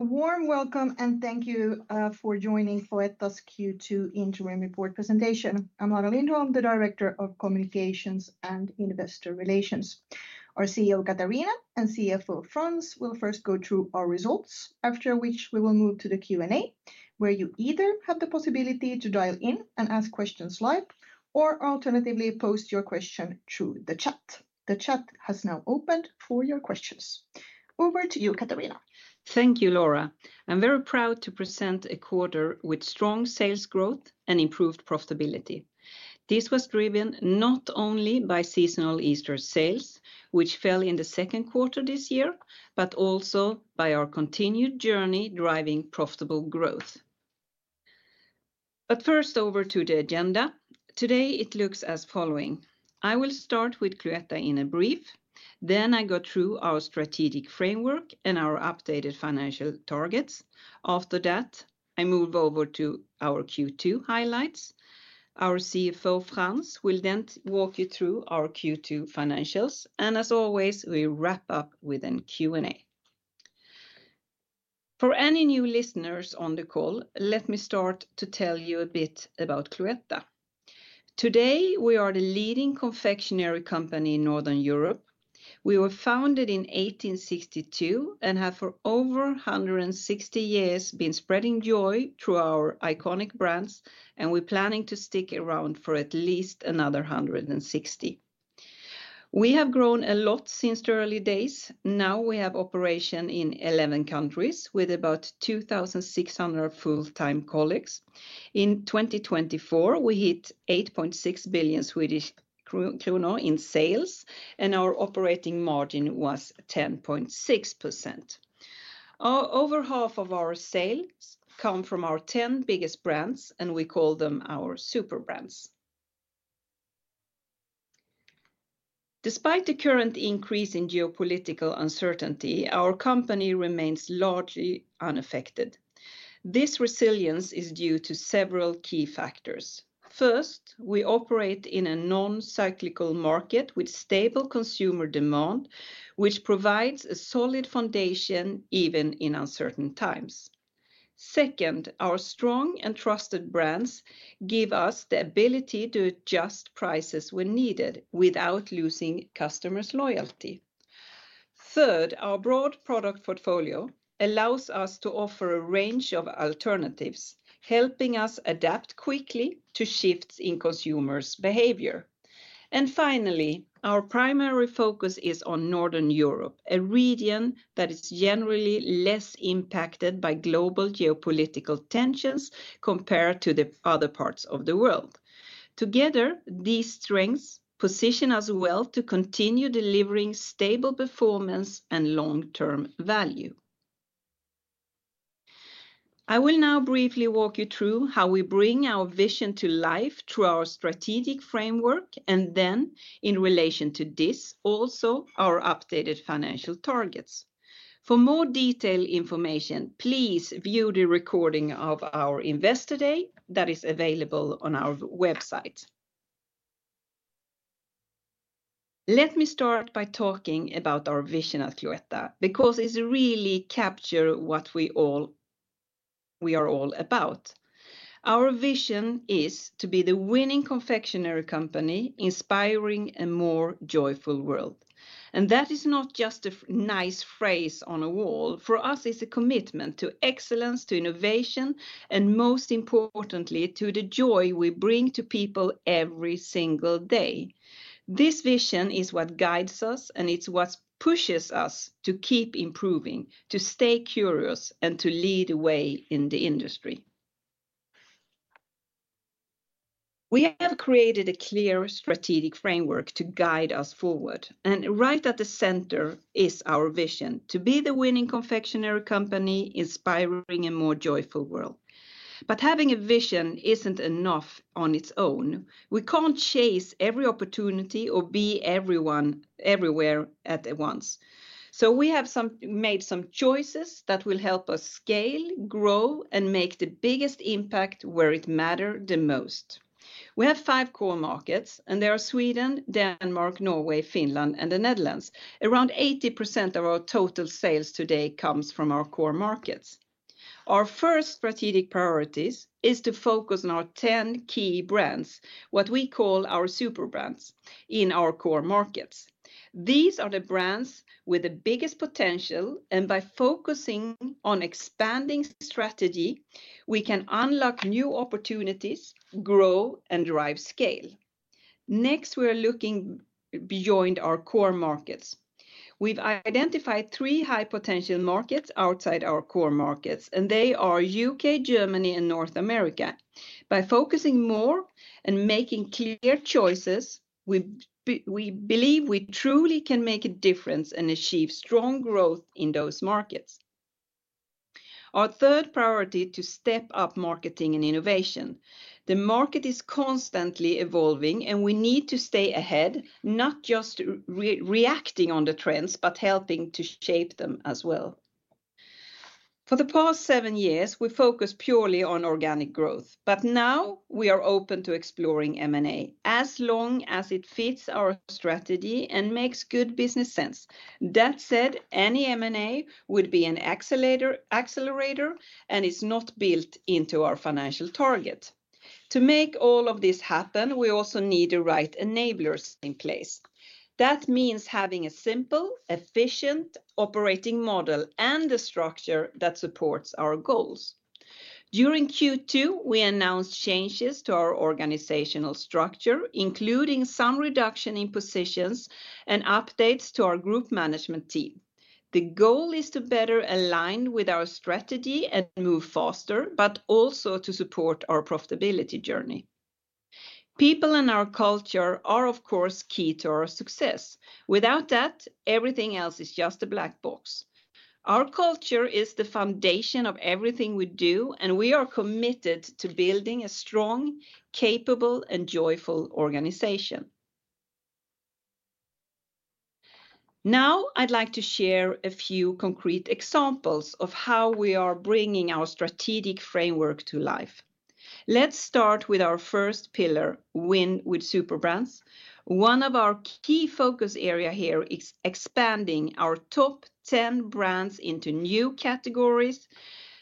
A warm welcome and thank you for joining Cloetta's Q2 interim report presentation. I'm Laura Lindholm, the Director of Communications and Investor Relations. Our CEO, Katarina, and CFO, Frans, will first go through our results, after which we will move to the Q&A, where you either have the possibility to dial in and ask questions live, or alternatively post your question through the chat. The chat has now opened for your questions. Over to you, Katarina Thank you, Laura. I'm very proud to present a quarter with strong sales growth and improved profitability. This was driven not only by seasonal Easter sales, which fell in the second quarter this year, but also by our continued journey driving profitable growth. First, over to the agenda. Today, it looks as following. I will start with Cloetta in a brief. Then I go through our strategic framework and our updated financial targets. After that, I move over to our Q2 highlights. Our CFO, Frans, will then walk you through our Q2 financials. As always, we wrap up with a Q&A. For any new listeners on the call, let me start to tell you a bit about Cloetta. Today, we are the leading confectionery company in Northern Europe. We were founded in 1862 and have for over 160 years been spreading joy through our iconic brands, and we're planning to stick around for at least another 160. We have grown a lot since the early days. Now we have operations in 11 countries with about 2,600 full-time colleagues. In 2024, we hit 8.6 billion Swedish kronor in sales, and our operating margin was 10.6%. Over half of our sales come from our 10 biggest brands, and we call them our super brands. Despite the current increase in geopolitical uncertainty, our company remains largely unaffected. This resilience is due to several key factors. First, we operate in a non-cyclical market with stable consumer demand, which provides a solid foundation even in uncertain times. Second, our strong and trusted brands give us the ability to adjust prices when needed without losing customers' loyalty. Third, our broad product portfolio allows us to offer a range of alternatives, helping us adapt quickly to shifts in consumers' behavior. Finally, our primary focus is on Northern Europe, a region that is generally less impacted by global geopolitical tensions compared to the other parts of the world. Together, these strengths position us well to continue delivering stable performance and long-term value. I will now briefly walk you through how we bring our vision to life through our strategic framework, and then in relation to this, also our updated financial targets. For more detailed information, please view the recording of our Investor Day that is available on our website. Let me start by talking about our vision at Cloetta because it really captures what we are all about. Our vision is to be the winning confectionery company, inspiring a more joyful world. That is not just a nice phrase on a wall. For us, it's a commitment to excellence, to innovation, and most importantly, to the joy we bring to people every single day. This vision is what guides us, and it's what pushes us to keep improving, to stay curious, and to lead the way in the industry. We have created a clear strategic framework to guide us forward, and right at the center is our vision: to be the winning confectionery company, inspiring a more joyful world. Having a vision isn't enough on its own. We can't chase every opportunity or be everyone, everywhere at once. We have made some choices that will help us scale, grow, and make the biggest impact where it matters the most. We have five core markets, and they are Sweden, Denmark, Norway, Finland, and the Netherlands. Around 80% of our total sales today come from our core markets. Our first strategic priority is to focus on our 10 key brands, what we call our super brands, in our core markets. These are the brands with the biggest potential, and by focusing on expanding strategy, we can unlock new opportunities, grow, and drive scale. Next, we're looking beyond our core markets. We've identified three high-potential markets outside our core markets, and they are U.K., Germany, and North America. By focusing more and making clear choices, we believe we truly can make a difference and achieve strong growth in those markets. Our third priority is to step up marketing and innovation. The market is constantly evolving, and we need to stay ahead, not just reacting on the trends, but helping to shape them as well. For the past seven years, we focused purely on organic growth, but now we are open to exploring M&A, as long as it fits our strategy and makes good business sense. That said, any M&A would be an accelerator and is not built into our financial target. To make all of this happen, we also need the right enablers in place. That means having a simple, efficient operating model and a structure that supports our goals. During Q2, we announced changes to our organizational structure, including some reduction in positions and updates to our group management team. The goal is to better align with our strategy and move faster, but also to support our profitability journey. People and our culture are, of course, key to our success. Without that, everything else is just a black box. Our culture is the foundation of everything we do, and we are committed to building a strong, capable, and joyful organization. Now, I'd like to share a few concrete examples of how we are bringing our strategic framework to life. Let's start with our first pillar, Win with Super Brands. One of our key focus areas here is expanding our top 10 brands into new categories,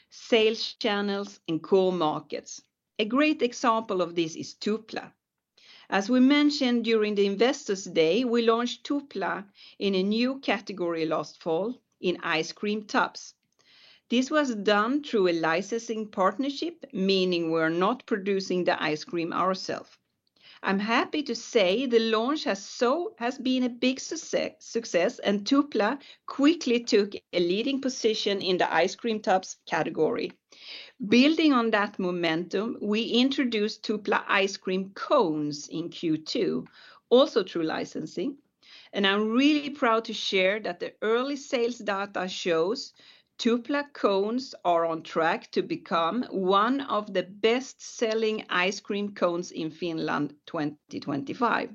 sales channels, and core markets. A great example of this is Tupla. As we mentioned during the Investor's Day, we launched Tupla in a new category last fall, in ice cream tubs. This was done through a licensing partnership, meaning we're not producing the ice cream ourselves. I'm happy to say the launch has been a big success, and Tupla quickly took a leading position in the ice cream tubs category. Building on that momentum, we introduced Tupla ice cream cones in Q2, also through licensing. I'm really proud to share that the early sales data shows Tupla cones are on track to become one of the best-selling ice cream cones in Finland in 2025.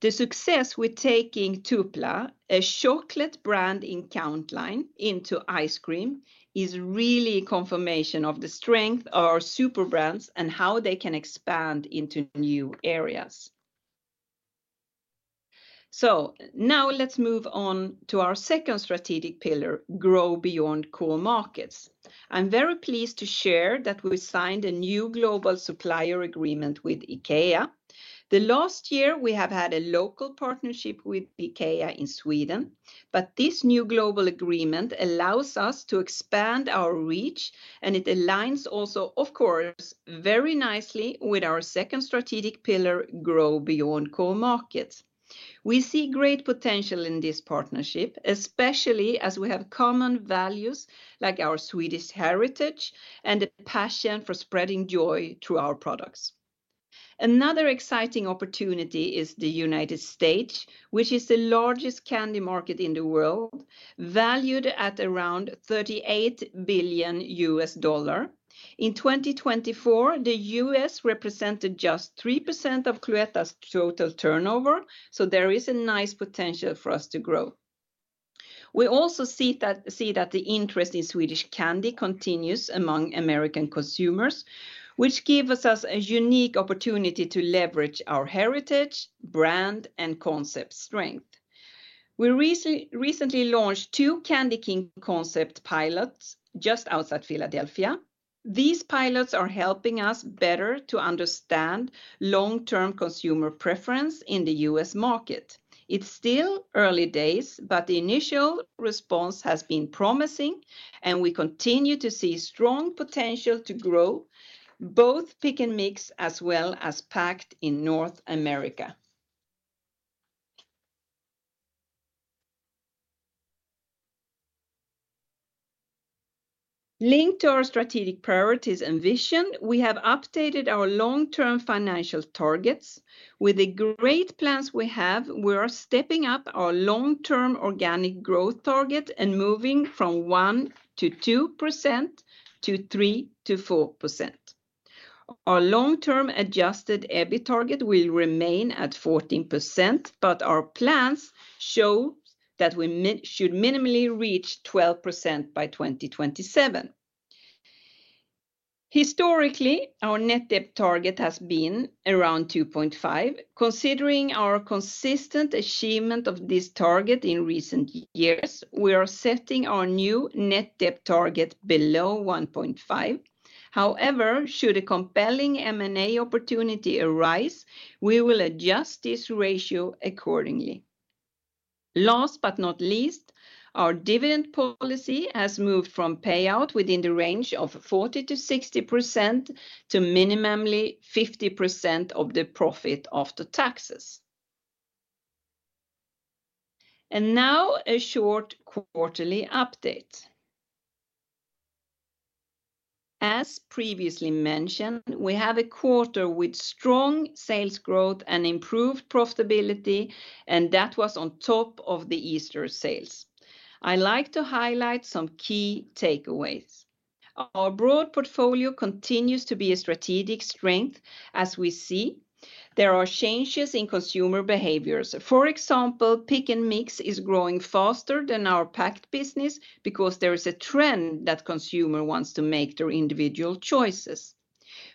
The success we're taking Tupla, a chocolate brand in countline, into ice cream is really a confirmation of the strength of our super brands and how they can expand into new areas. Now let's move on to our second strategic pillar, Grow Beyond Core Markets. I'm very pleased to share that we signed a new global supplier agreement with IKEA. The last year, we have had a local partnership with IKEA in Sweden, but this new global agreement allows us to expand our reach, and it aligns also, of course, very nicely with our second strategic pillar, Grow Beyond Core Markets. We see great potential in this partnership, especially as we have common values like our Swedish heritage and the passion for spreading joy through our products. Another exciting opportunity is the United States, which is the largest candy market in the world, valued at around SEK 38 billion. In 2024, the U.S. represented just 3% of Cloetta's total turnover, so there is a nice potential for us to grow. We also see that the interest in Swedish candy continues among American consumers, which gives us a unique opportunity to leverage our heritage, brand, and concept strength. We recently launched two Candy King concept pilots just outside Philadelphia. These pilots are helping us better to understand long-term consumer preference in the U.S. market. It's still early days, but the initial response has been promising, and we continue to see strong potential to grow, both Pick & Mix as well as packed in North America. Linked to our strategic priorities and vision, we have updated our long-term financial targets. With the great plans we have, we are stepping up our long-term organic growth target and moving from 1%-2% to 3%-4%. Our long-term adjusted EBIT target will remain at 14%, but our plans show that we should minimally reach 12% by 2027. Historically, our net debt target has been around 2.5%. Considering our consistent achievement of this target in recent years, we are setting our new net debt target below 1.5%. However, should a compelling M&A opportunity arise, we will adjust this ratio accordingly. Last but not least, our dividend policy has moved from payout within the range of 40%-60% to minimally 50% of the profit after taxes. Now, a short quarterly update. As previously mentioned, we have a quarter with strong sales growth and improved profitability, and that was on top of the Easter sales. I'd like to highlight some key takeaways. Our broad portfolio continues to be a strategic strength, as we see. There are changes in consumer behaviors. For example, Pick & Mix is growing faster than our packed business because there is a trend that consumers want to make their individual choices.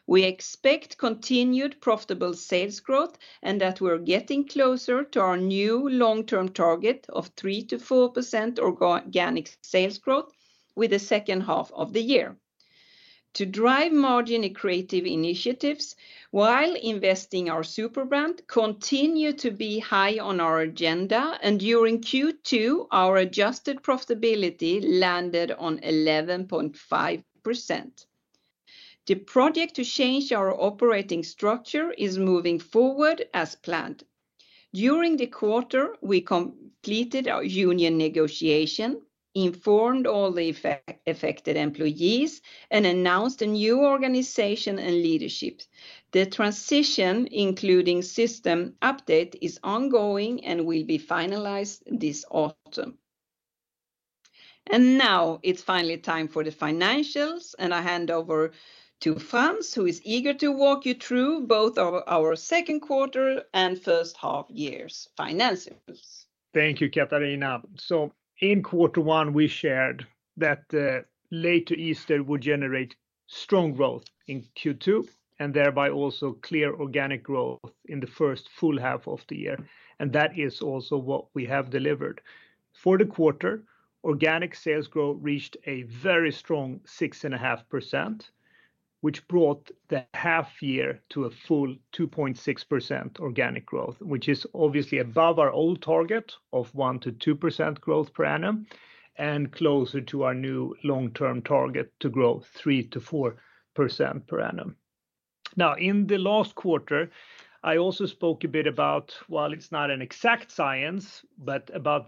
We expect continued profitable sales growth and that we're getting closer to our new long-term target of 3%-4% organic sales growth with the second half of the year. To drive margin and creative initiatives, while investing in our super brands continues to be high on our agenda, and during Q2, our adjusted profitability landed on 11.5%. The project to change our operating structure is moving forward as planned. During the quarter, we completed our union negotiations, informed all the affected employees, and announced a new organization and leadership. The transition, including system updates, is ongoing and will be finalized this autumn. Now, it's finally time for the financials, and I hand over to Frans, who is eager to walk you through both our second quarter and first half years. Financials. Thank you, Katarina. In Q1, we shared that late Easter would generate strong growth in Q2 and thereby also clear organic growth in the first full half of the year. That is also what we have delivered. For the quarter, organic sales growth reached a very strong 6.5%, which brought the half year to a full 2.6% organic growth, which is obviously above our old target of 1%-2% growth per annum and closer to our new long-term target to grow 3%-4% per annum. In the last quarter, I also spoke a bit about, while it's not an exact science, the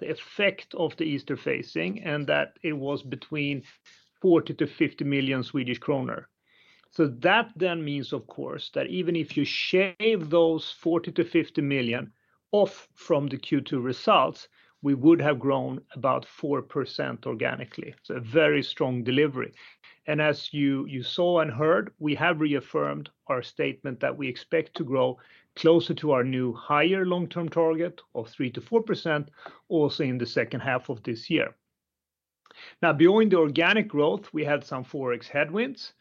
effect of the Easter phasing and that it was between 40 million- 50 million Swedish kronor. That then means, of course, that even if you shave those 40 million- 50 million off from the Q2 results, we would have grown about 4% organically. A very strong delivery. As you saw and heard, we have reaffirmed our statement that we expect to grow closer to our new higher long-term target of 3%-4% also in the second half of this year. Beyond the organic growth, we had some forex headwinds,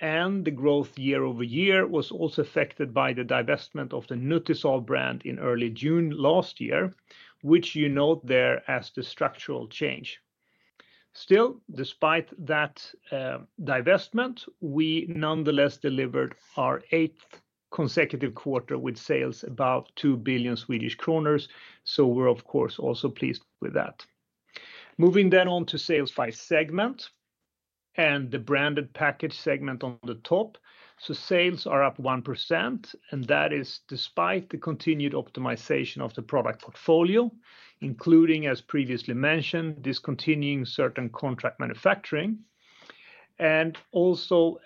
and the growth year-over-year was also affected by the divestment of the Nutty Salt brand in early June last year, which you note there as the structural change. Still, despite that divestment, we nonetheless delivered our eighth consecutive quarter with sales above 2 billion Swedish kronor, so we're, of course, also pleased with that. Moving then on to sales by segment and the Branded Package segment on the top. Sales are up 1%, and that is despite the continued optimization of the product portfolio, including, as previously mentioned, discontinuing certain contract manufacturing, and also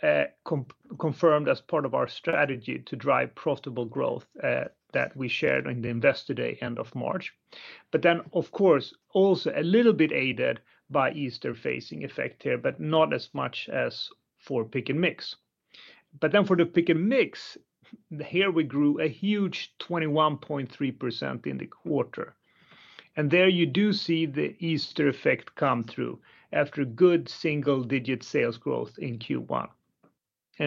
confirmed as part of our strategy to drive profitable growth that we shared in the Investor Day end of March. Of course, also a little bit aided by Easter phasing effect here, but not as much as for Pick & Mix. For the Pick & Mix, here we grew a huge 21.3% in the quarter. There you do see the Easter effect come through after good single-digit sales growth in Q1.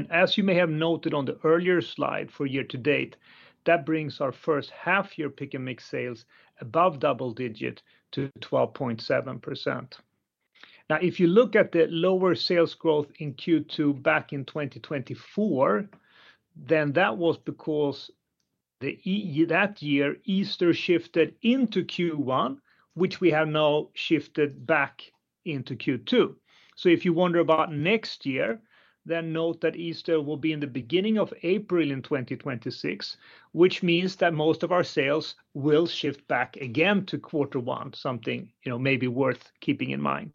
As you may have noted on the earlier slide for year to date, that brings our first half-year Pick & Mix sales above double digits to 12.7%. If you look at the lower sales growth in Q2 back in 2024, that was because that year Easter shifted into Q1, which we have now shifted back into Q2. If you wonder about next year, then note that Easter will be in the beginning of April in 2026, which means that most of our sales will shift back again to Q1, something maybe worth keeping in mind.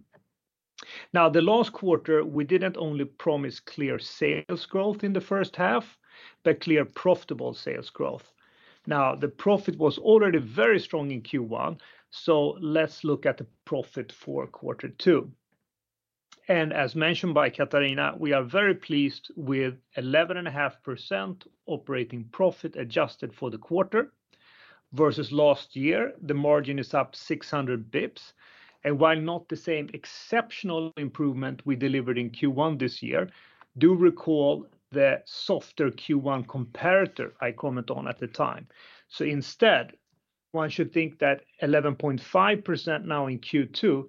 The last quarter, we didn't only promise clear sales growth in the first half, but clear profitable sales growth. The profit was already very strong in Q1, so let's look at the profit for Q2. As mentioned by Katarina, we are very pleased with 11.5% operating profit adjusted for the quarter. Versus last year, the margin is up 600 bps. While not the same exceptional improvement we delivered in Q1 this year, do recall the softer Q1 comparator I commented on at the time. Instead, one should think that 11.5% now in Q2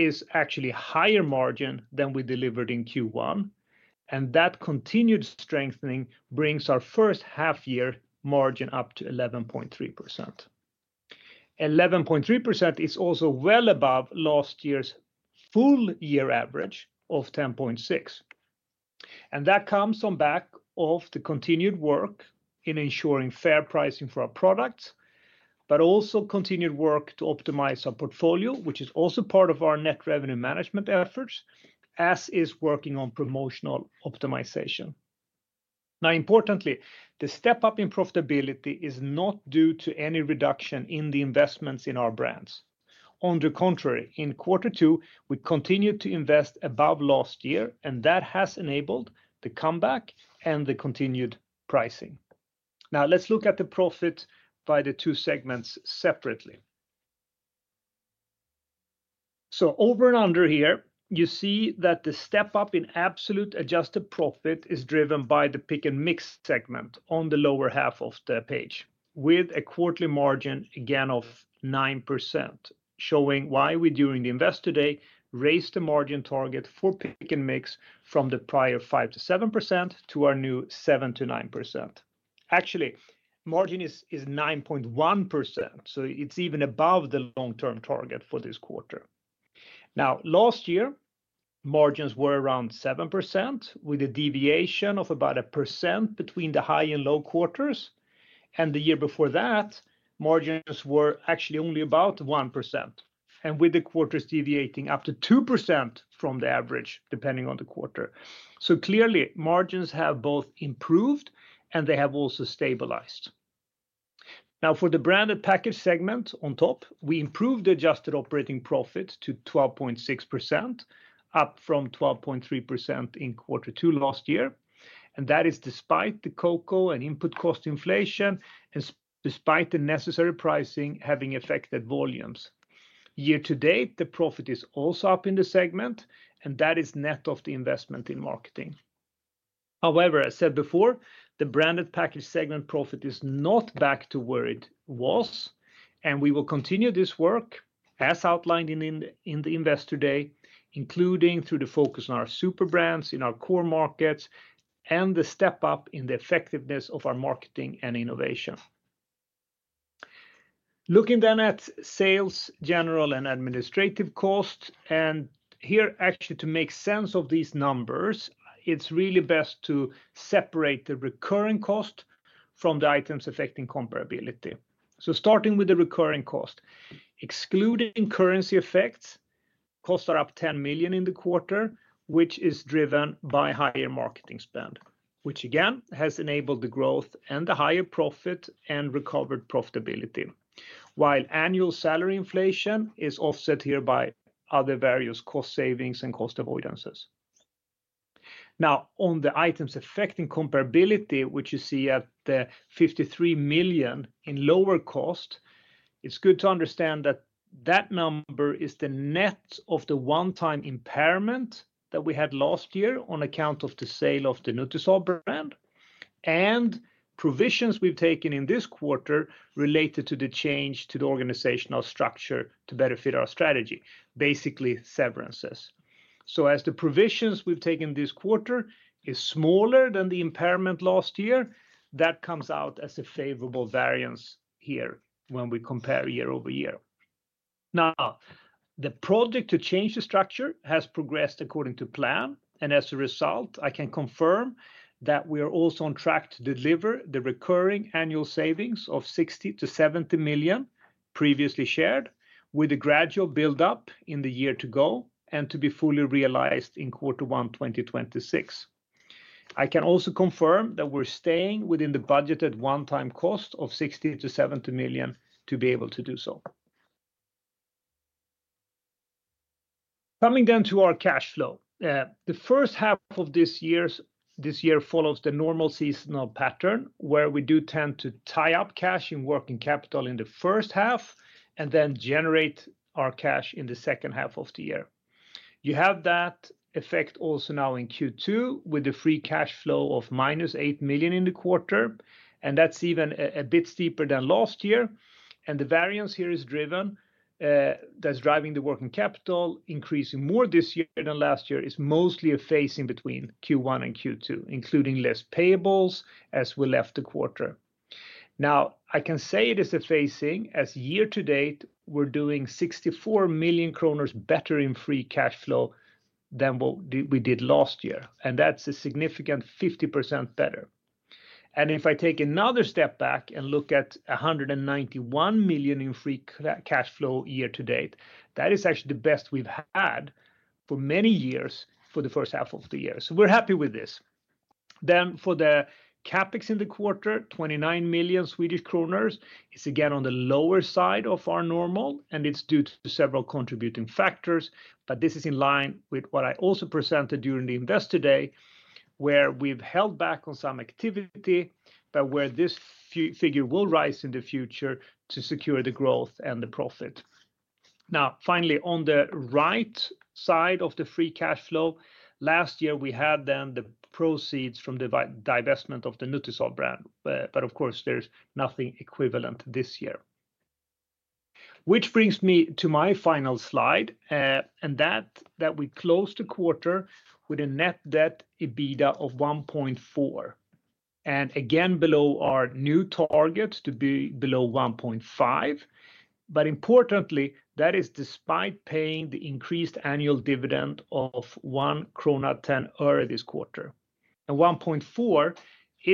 is actually a higher margin than we delivered in Q1. That continued strengthening brings our first half-year margin up to 11.3%. 11.3% is also well above last year's full-year average of 10.6%. That comes on back of the continued work in ensuring fair pricing for our products, but also continued work to optimize our portfolio, which is also part of our net revenue management efforts, as is working on promotional optimization. Importantly, the step-up in profitability is not due to any reduction in the investments in our brands. On the contrary, in Q2, we continued to invest above last year, and that has enabled the comeback and the continued pricing. Let's look at the profit by the two segments separately. Over and under here, you see that the step-up in absolute adjusted profit is driven by the Pick & Mix segment on the lower half of the page, with a quarterly margin again of 9%, showing why we during the Investor Day raised the margin target for Pick & Mix from the prior 5%-7% to our new 7%-9%. Actually, margin is 9.1%, so it's even above the long-term target for this quarter. Last year, margins were around 7%, with a deviation of about a percent between the high and low quarters. The year before that, margins were actually only about 1%, and with the quarters deviating up to 2% from the average, depending on the quarter. Clearly, margins have both improved, and they have also stabilized. For the Branded Package segment on top, we improved the adjusted operating profit to 12.6%, up from 12.3% in Q2 last year. That is despite the cocoa and input cost inflation, and despite the necessary pricing having affected volumes. Year to date, the profit is also up in the segment, and that is net of the investment in marketing. However, as said before, the Branded Package segment profit is not back to where it was, and we will continue this work as outlined in the Investor Day, including through the focus on our super brands in our core markets and the step-up in the effectiveness of our marketing and innovation. Looking then at sales, general, and administrative costs, and here actually to make sense of these numbers, it's really best to separate the recurring cost from the items affecting comparability. Starting with the recurring cost, excluding currency effects, costs are up 10 million in the quarter, which is driven by higher marketing spend, which again has enabled the growth and the higher profit and recovered profitability, while annual salary inflation is offset here by other various cost savings and cost avoidances. On the items affecting comparability, which you see at 53 million in lower cost, it's good to understand that that number is the net of the one-time impairment that we had last year on account of the sale of the Nutty Salt brand and provisions we've taken in this quarter related to the change to the organizational structure to benefit our strategy, basically severances. As the provisions we've taken this quarter are smaller than the impairment last year, that comes out as a favorable variance here when we compare year-over-year. The project to change the structure has progressed according to plan, and as a result, I can confirm that we are also on track to deliver the recurring annual savings of 60 million-70 million previously shared, with a gradual buildup in the year to go and to be fully realized in Q1, 2026. I can also confirm that we're staying within the budgeted one-time cost of 60 million-70 million to be able to do so. Coming then to our cash flow, the first half of this year follows the normal seasonal pattern where we do tend to tie up cash in working capital in the first half and then generate our cash in the second half of the year. You have that effect also now in Q2 with a free cash flow of -8 million in the quarter, and that's even a bit steeper than last year. The variance here is driving the working capital increasing more this year than last year. It's mostly a phase in between Q1 and Q2, including less payables as we left the quarter. Now, I can say it is a phasing as year to date we're doing 64 million kronor better in free cash flow than what we did last year, and that's a significant 50% better. If I take another step back and look at 191 million in free cash flow year to date, that is actually the best we've had for many years for the first half of the year. We're happy with this. For the CapEx in the quarter, 29 million Swedish kronor, it's again on the lower side of our normal, and it's due to several contributing factors, but this is in line with what I also presented during the Investor Day, where we've held back on some activity, but where this figure will rise in the future to secure the growth and the profit. Finally, on the right side of the free cash flow, last year we had the proceeds from the divestment of the Nutty Salt brand, but of course, there's nothing equivalent this year. This brings me to my final slide, and that we closed the quarter with a net debt/EBITDA of 1.4%. Again, below our new target to be below 1.5%, but importantly, that is despite paying the increased annual dividend of SEK 1.10 this quarter.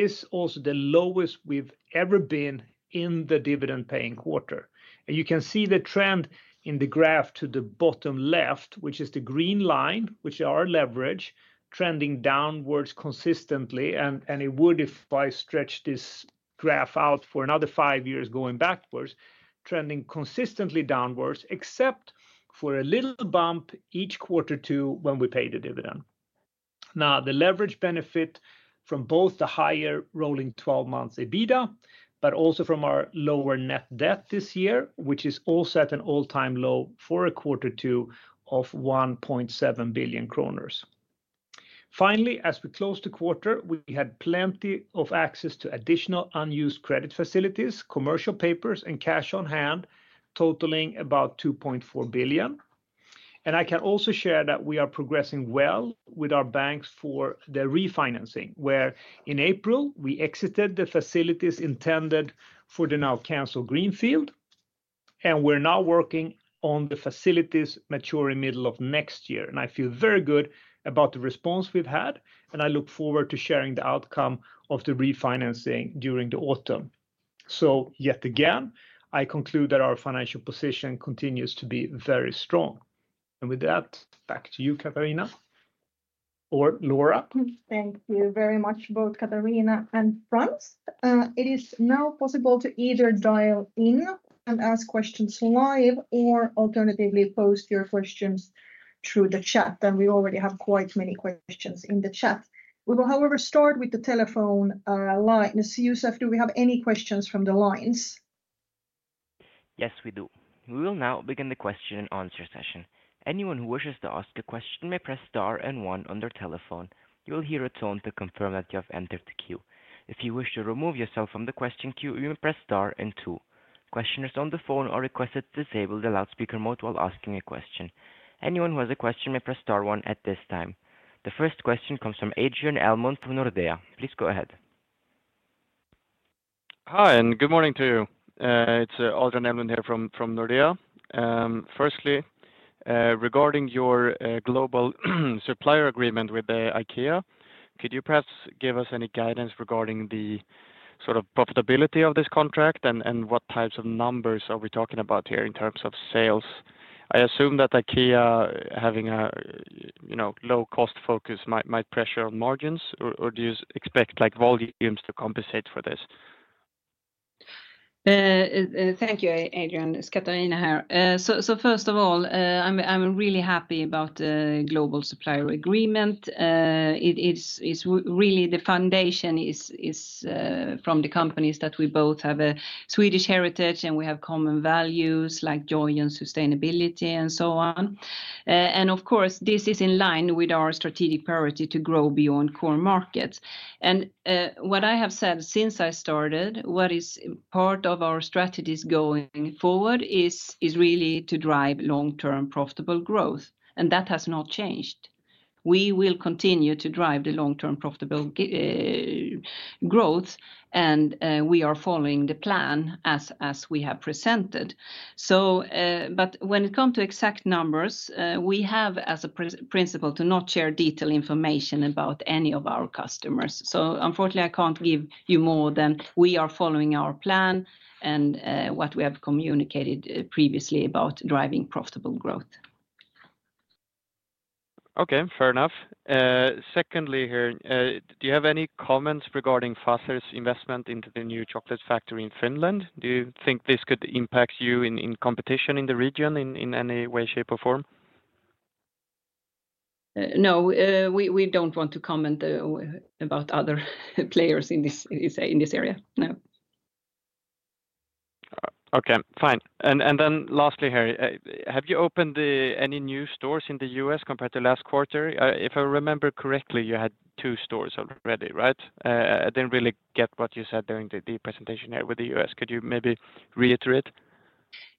1.4% is also the lowest we've ever been in the dividend-paying quarter. You can see the trend in the graph to the bottom left, which is the green line, which is our leverage, trending downwards consistently. If I stretch this graph out for another five years going backwards, trending consistently downwards, except for a little bump each Q2 when we pay the dividend. The leverage benefits from both the higher rolling 12 months EBITDA, but also from our lower net debt this year, which is also at an all-time low for a Q2 of 1.7 billion kronor. Finally, as we close the quarter, we had plenty of access to additional unused credit facilities, commercial papers, and cash on hand, totaling about 2.4 billion. I can also share that we are progressing well with our banks for their refinancing, where in April, we exited the facilities intended for the now canceled greenfield, and we're now working on the facilities maturing in the middle of next year. I feel very good about the response we've had, and I look forward to sharing the outcome of the refinancing during the autumn. Yet again, I conclude that our financial position continues to be very strong. With that, back to you, Katarina, or Laura. Thank you very much, both Katarina and Frans. It is now possible to either dial in and ask questions live or alternatively post your questions through the chat, and we already have quite many questions in the chat. We will, however, start with the telephone line. Youssef, do we have any questions from the lines? Yes, we do. We will now begin the question and answer session. Anyone who wishes to ask a question may press star and one on their telephone. You will hear a tone to confirm that you have entered the queue. If you wish to remove yourself from the question queue, you may press star and two. Questioners on the phone are requested to disable the loudspeaker mode while asking a question. Anyone who has a question may press star one at this time. The first question comes from Adrian Elmond from Nordea. Please go ahead. Hi, and good morning to you. It's Adrian Elmond here from Nordea. Firstly, regarding your global supplier agreement with IKEA, could you perhaps give us any guidance regarding the sort of profitability of this contract and what types of numbers are we talking about here in terms of sales? I assume that IKEA, having a low-cost focus, might pressure on margins, or do you expect volumes to compensate for this? Thank you, Adrian. It's Katarina here. First of all, I'm really happy about the global supplier agreement. It's really the foundation from the companies that we both have a Swedish heritage, and we have common values like joy and sustainability and so on. Of course, this is in line with our strategic priority to grow beyond core markets. What I have said since I started, what is part of our strategies going forward is really to drive long-term profitable growth, and that has not changed. We will continue to drive the long-term profitable growth, and we are following the plan as we have presented. When it comes to exact numbers, we have as a principle to not share detailed information about any of our customers. Unfortunately, I can't give you more than we are following our plan and what we have communicated previously about driving profitable growth. Okay, fair enough. Secondly, do you have any comments regarding Fazer's investment into the new chocolate factory in Finland? Do you think this could impact you in competition in the region in any way, shape, or form? No, we don't want to comment about other players in this area. No. Okay, fine. Lastly, have you opened any new stores in the U.S. compared to last quarter? If I remember correctly, you had two stores already, right? I didn't really get what you said during the presentation with the U.S. Could you maybe reiterate?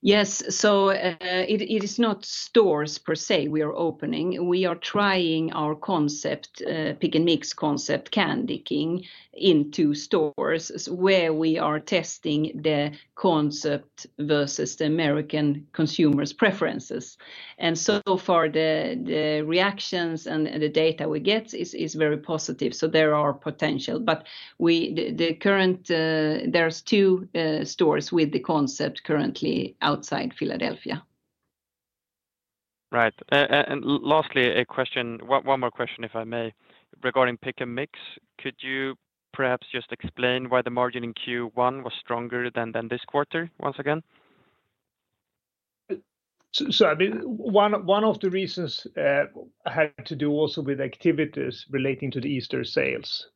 Yes, it is not stores per se we are opening. We are trying our concept, Pick & Mix concept, Candy King, into stores where we are testing the concept versus the American consumer's preferences. So far, the reactions and the data we get is very positive. There are potential, but there are two stores with the concept currently outside Philadelphia. Right. Lastly, one more question if I may, regarding Pick & Mix, could you perhaps just explain why the margin in Q1 was stronger than this quarter once again? One of the reasons had to do also with activities relating to the Easter sales.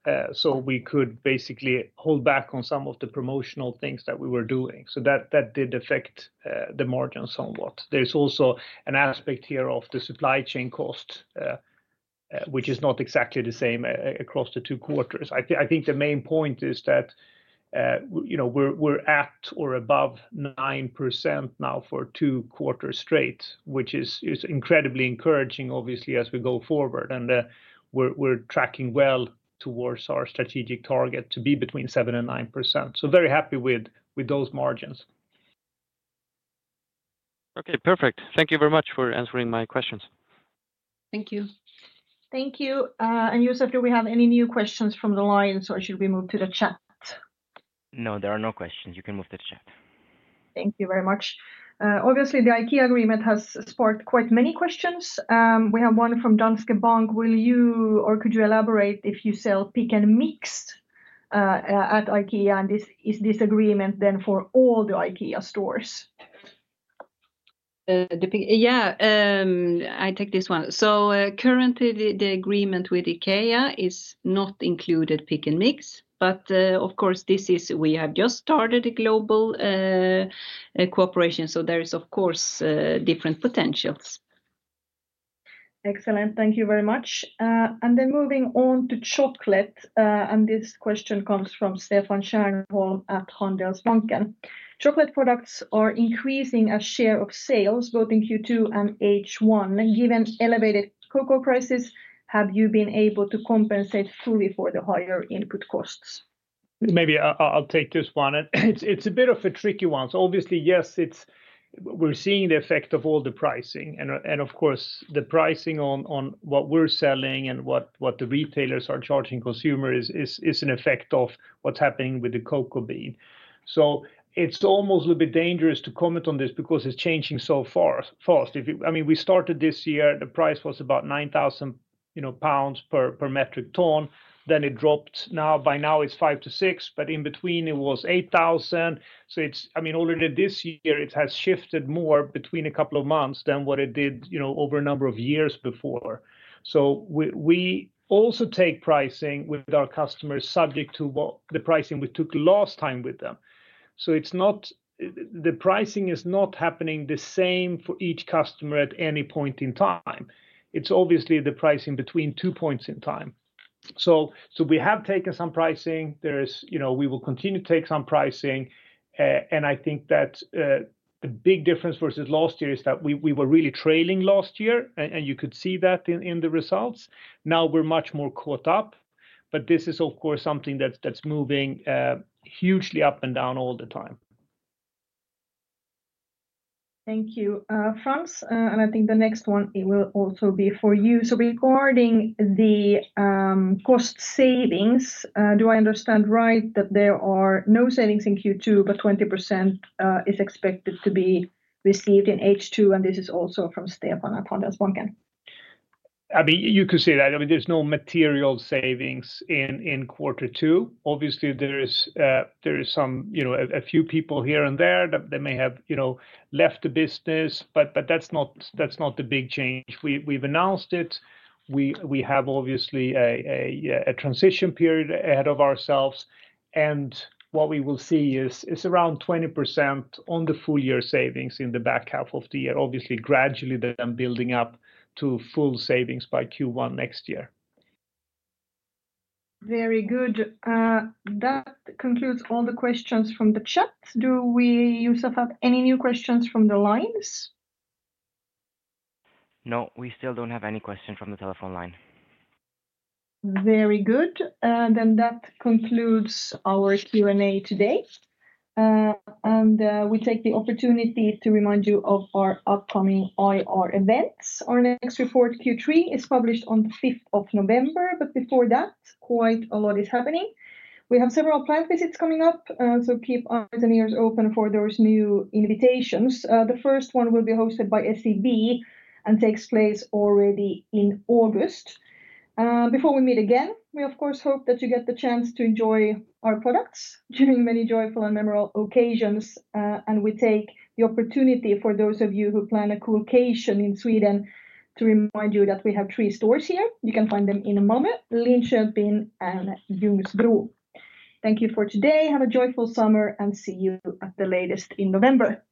We could basically hold back on some of the promotional things that we were doing. That did affect the margin somewhat. There's also an aspect here of the supply chain cost, which is not exactly the same across the two quarters. I think the main point is that we're at or above 9% now for two quarters straight, which is incredibly encouraging, obviously, as we go forward. We're tracking well towards our strategic target to be between 7% and 9%. Very happy with those margins. Okay, perfect. Thank you very much for answering my questions. Thank you. Thank you. Youssef, do we have any new questions from the lines, or should we move to the chat? No, there are no questions. You can move to the chat. Thank you very much. Obviously, the IKEA agreement has sparked quite many questions. We have one from Danske Bank. Will you or could you elaborate if you sell Pick & Mix at IKEA, and is this agreement then for all the IKEA stores? Yeah, I take this one. Currently, the agreement with IKEA is not including Pick & Mix, but of course, we have just started a global cooperation. There is, of course, different potentials. Excellent. Thank you very much. Moving on to chocolate, this question comes from Stefan Hermansson at Handelsbanken. Chocolate products are increasing a share of sales both in Q2 and H1. Given the elevated cocoa crisis, have you been able to compensate fully for the higher input costs? Maybe I'll take this one. It's a bit of a tricky one. Obviously, yes, we're seeing the effect of all the pricing. Of course, the pricing on what we're selling and what the retailers are charging consumers is an effect of what's happening with the cocoa bean. It's almost a little bit dangerous to comment on this because it's changing so fast. I mean, we started this year, the price was about £9,000 per metric ton. It dropped. By now, it's £5,000-£6,000, but in between, it was £8,000. Already this year, it has shifted more between a couple of months than what it did over a number of years before. We also take pricing with our customers subject to the pricing we took last time with them. The pricing is not happening the same for each customer at any point in time. It's obviously the pricing between two points in time. We have taken some pricing. We will continue to take some pricing. I think that the big difference versus last year is that we were really trailing last year, and you could see that in the results. Now we're much more caught up. This is, of course, something that's moving hugely up and down all the time. Thank you, Frans. I think the next one will also be for you. Regarding the cost savings, do I understand right that there are no savings in Q2, but 20% is expected to be received in H2? This is also from Stefan at Handelsbanken. You could say that. There's no material savings in Q2. Obviously, there are a few people here and there that may have left the business, but that's not the big change. We've announced it. We have obviously a transition period ahead of ourselves. What we will see is around 20% on the full year savings in the back half of the year, obviously gradually then building up to full savings by Q1 next year. Very good. That concludes all the questions from the chat. Do we, Youssef, have any new questions from the lines? No, we still don't have any questions from the telephone line. Very good. That concludes our Q&A today. We take the opportunity to remind you of our upcoming IR events. Our next report, Q3, is published on the 5th of November. Quite a lot is happening before that. We have several plant visits coming up, so keep eyes and ears open for those new invitations. The first one will be hosted by SEB and takes place already in August. Before we meet again, we, of course, hope that you get the chance to enjoy our products during many joyful and memorable occasions. We take the opportunity for those of you who plan a cool occasion in Sweden to remind you that we have three stores here. You can find them in a moment: Linköping and Ljungbro. Thank you for today. Have a joyful summer, and see you at the latest in November.